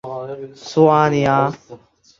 苏阿尼阿。